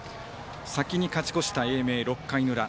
先に勝ち越した英明、６回の裏。